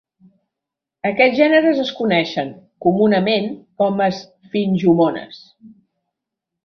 Aquests gèneres es coneixen comunament com a esfingomones.